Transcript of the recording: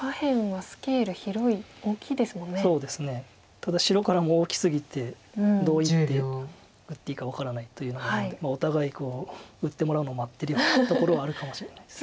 ただ白からも大きすぎてどう一手打っていいか分からないというのがあるんでお互い打ってもらうのを待ってるようなところはあるかもしれないです。